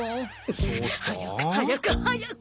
そうっすか？早く早く早く！